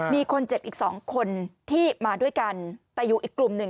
มีคนเจ็บอีกสองคนที่มาด้วยกันแต่อยู่อีกกลุ่มหนึ่ง